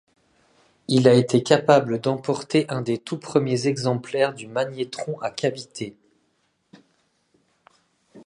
Il a été capable d'emporter un des tout-premiers exemplaires du magnétron à cavité.